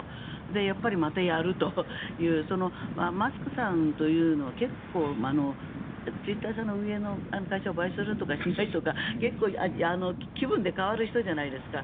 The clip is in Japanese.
で、やっぱりまたやるというマスクさんというのは結構、ツイッター社の運営の会社を買収するとかしないとか結構気分で変わる人じゃないですか。